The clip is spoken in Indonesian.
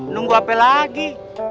nunggu apa lagi